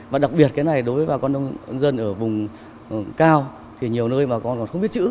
và đặc biệt cái này đối với bà con nông dân ở vùng cao thì nhiều nơi bà con còn không biết chữ